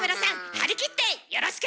張り切ってよろしく！